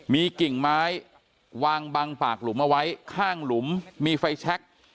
มีกิ่งไม้วางบังฝากหลุมเอาไว้ข้างหลุมมีไฟแชค